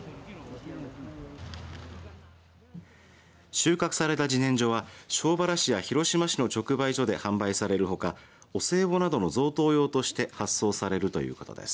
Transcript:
収穫された、じねんじょは庄原市や広島市の直売所で販売されるほかお歳暮などの贈答用として発送されるということです。